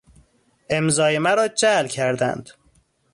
امضای مرا جعل کردند.